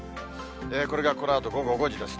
これがこのあと午後５時ですね。